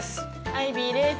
アイビーです。